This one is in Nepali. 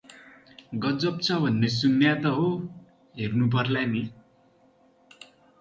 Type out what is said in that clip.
गज्जब छ भन्ने सुन्या त हो, हेर्नु पर्ला नी!